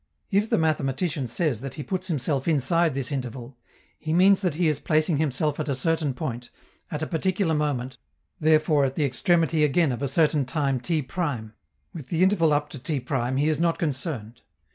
If the mathematician says that he puts himself inside this interval, he means that he is placing himself at a certain point, at a particular moment, therefore at the extremity again of a certain time t'; with the interval up to T' he is not concerned.